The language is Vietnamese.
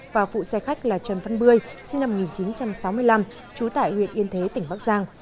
và phụ xe khách là trần văn bươi sinh năm một nghìn chín trăm sáu mươi năm trú tại huyện yên thế tỉnh bắc giang